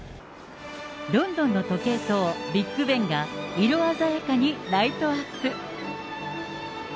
ロンドンの時計塔、ビッグベンが、色鮮やかにライトアップ。